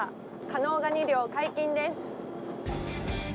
加納ガニ漁、解禁です。